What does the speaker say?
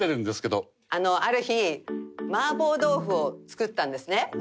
ある日麻婆豆腐を作ったんですね。